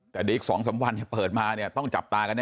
แต่เดี๋ยวอีก๒๓วันเปิดมาเนี่ยต้องจับตากันแ